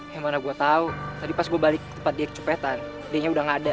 ya mana gue tau tadi pas gue balik ke tempat dia kecopetan dia udah gak ada